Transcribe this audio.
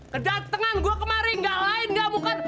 kedatengan gue kemari nggak lain nggak bukan